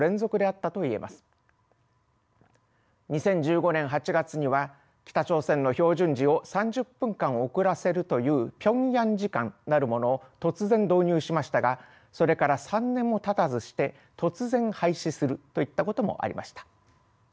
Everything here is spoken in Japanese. ２０１５年８月には北朝鮮の標準時を３０分間遅らせるという平壌時間なるものを突然導入しましたがそれから３年もたたずして突然廃止するといったこともありました。